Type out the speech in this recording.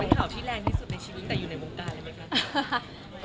เป็นข่าวที่แรงที่สุดในชีวิตแต่อยู่ในวงการเลยไหมครับ